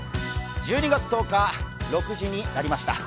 １２月１０日、６時になりました。